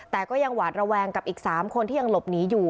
แต่ก็ยังหวาดระแวงกับอีก๓คนที่ยังหลบหนีอยู่